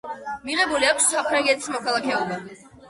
მიღებული აქვს საფრანგეთის მოქალაქეობა.